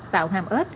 tạo hàm ếch